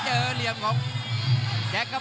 กรรมการเตือนทั้งคู่ครับ๖๖กิโลกรัม